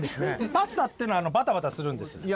パスタっていうのはバタバタするんです。